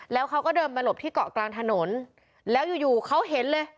แล้วเขาก็เดินมาหลบที่เกาะกลางถนนแล้วอยู่อยู่เขาเห็นเลย